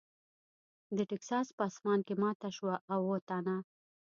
د ټیکساس په اسمان کې ماته شوه او اووه تنه .